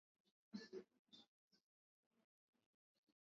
Kama mwingine yeyote yule alisema Diego Maradona akiwa Napol